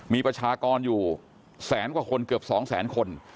มีประชากรอยู่แสนกว่าคนเกือบ๒แสนคน